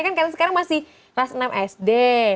kedepannya kan kan sekarang masih kelas enam sd